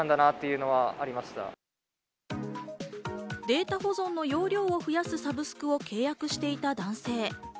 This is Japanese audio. データ保存の容量を増やすサブスクを契約していた男性。